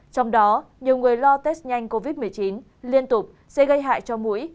trong đó nhiều người lo test nhanh covid một mươi chín liên tục sẽ gây hại cho mũi